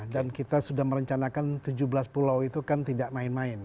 dan kita sudah merencanakan tujuh belas pulau itu kan tidak main main